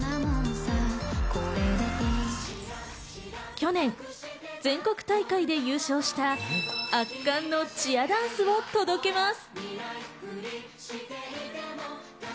去年、全国大会で優勝した圧巻のチアダンスを届けます。